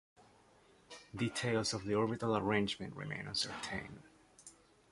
Details of the orbital arrangement remain uncertain.